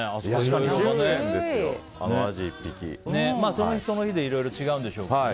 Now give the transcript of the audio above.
その日、その日でいろいろ違うんでしょうけどね。